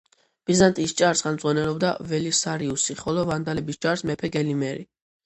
ბიზანტიის ჯარს ხელმძღვანელობდა ველისარიუსი, ხოლო ვანდალების ჯარს მეფე გელიმერი.